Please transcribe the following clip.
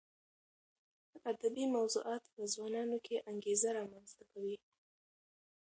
ادبي موضوعات په ځوانانو کې انګېزه رامنځته کوي.